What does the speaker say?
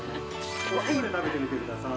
お塩で食べてみてください。